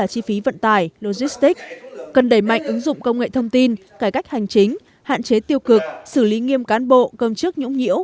chính hạn chế tiêu cực xử lý nghiêm cán bộ công chức nhũng nhĩu